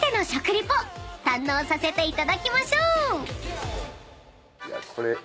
［堪能させていただきましょう］